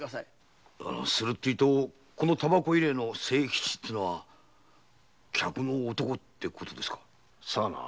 するとこの煙草入れの清吉っていうのは客の男ってことですか？